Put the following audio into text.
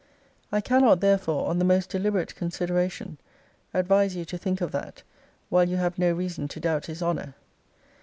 I cannot, therefore, on the most deliberate consideration, advise you to think of that, while you have no reason to doubt his honour.